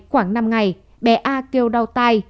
khoảng năm ngày bé a kêu đau tay